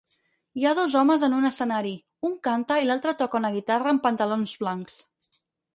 Hi ha dos homes en un escenari; un canta i l'altre toca una guitarra amb pantalons blancs